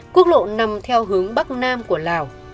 quốc lộ nằm theo hướng bắc nam của lào